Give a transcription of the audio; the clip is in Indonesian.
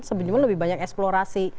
sebenarnya lebih banyak eksplorasi